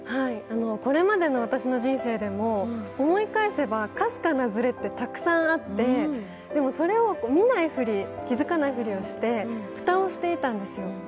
これまでの私の人生でも、思い返せばかすかなズレってたくさんあって、でもそれを見ないふり、気付かないふりをして蓋をしていたんですよ。